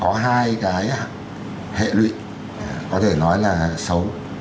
có hai cái hệ lụy có thể nói là xấu